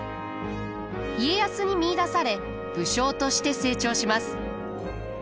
家康に見いだされ武将として成長します。